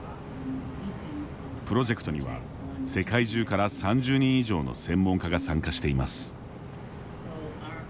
プロジェクトには世界中から３０人以上の専門家が参加しています。